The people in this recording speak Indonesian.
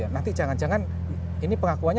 nanti jangan jangan ini pengakuannya